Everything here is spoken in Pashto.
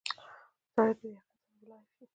سړی په یقین سره ویلای شي.